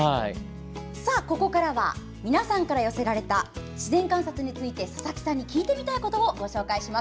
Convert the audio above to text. ここからは皆さんから寄せられた自然観察について佐々木さんに聞いてみたいことをご紹介します。